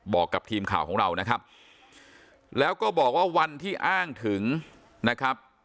บอกกับทีมข่าวของเรานะครับแล้วก็บอกว่าวันที่อ้างถึงนะครับ